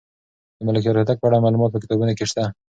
د ملکیار هوتک په اړه معلومات په کتابونو کې شته.